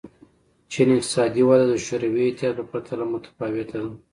چین اقتصادي وده د شوروي اتحاد په پرتله متفاوته ده.